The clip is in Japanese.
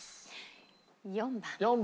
４番。